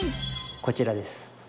こちらです。